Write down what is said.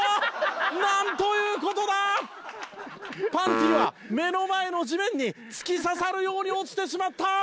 パンティは目の前の地面に突き刺さるように落ちてしまった！